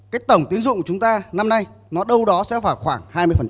cái tổng tiến dụng của chúng ta năm nay nó đâu đó sẽ vào khoảng hai mươi